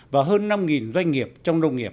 và hơn năm doanh nghiệp trong nông nghiệp